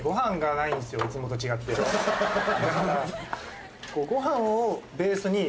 いつもと違ってだから。